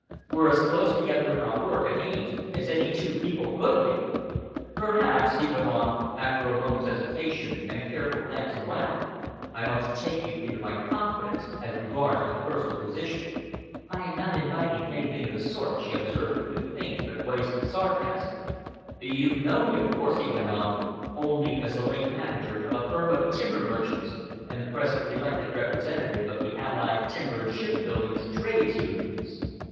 "We're as close together in our work and aims as any two people could be. Perhaps," he went on, after a moment's hesitation and a careful glance around, "I ought to take you into my confidence as regards my personal position." "I am not inviting anything of the sort," she observed, with faint but wasted sarcasm. "You know me, of course," he went on, "only as the late manager of a firm of timber merchants and the present elected representative of the allied Timber and Shipbuilding Trades Unions.